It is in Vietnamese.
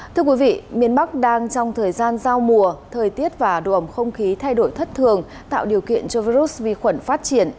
thưa quý vị miền bắc đang trong thời gian giao mùa thời tiết và độ ẩm không khí thay đổi thất thường tạo điều kiện cho virus vi khuẩn phát triển